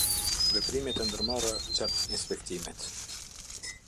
Veprimet e ndërmarra gjatë inspektimit.